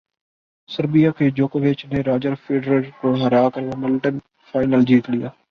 Serbia کے جوکووچ نے راجر فیڈرر کو ہرا کر ومبلڈن فائنل جیت لیا